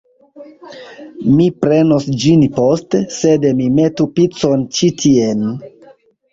Mi prenos ĝin poste, sed mi metu picon ĉi tien